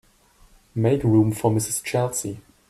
Make room for Mrs. Chelsea.